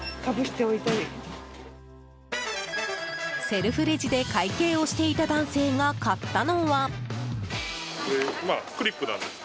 セルフレジで会計をしていた男性が買ったのは。